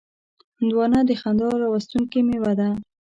هندوانه د خندا راوستونکې میوه ده.